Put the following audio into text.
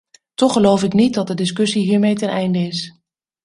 Toch geloof ik niet dat de discussie hiermee ten einde is.